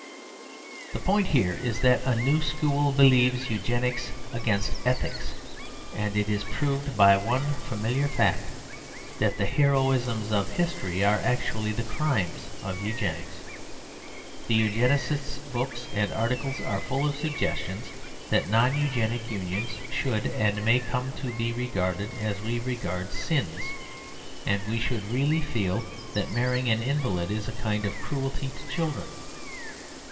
The point here is that a new school believes Eugenics against Ethics. And it is proved by one familiar fact: that the heroisms of history are actually the crimes of Eugenics. The Eugenists' books and articles are full of suggestions that non eugenic unions should and may come to be regarded as we regard sins; that we should really feel that marrying an invalid is a kind of cruelty to children.